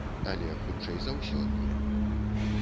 Але, хутчэй за ўсё, не.